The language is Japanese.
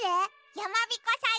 やまびこさん？